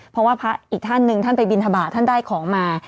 เพราะว่าพระอีกท่านหนึ่งท่านไปบินทบาทท่านได้ของมา